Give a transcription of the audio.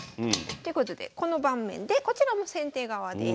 ということでこの盤面でこちらも先手側です。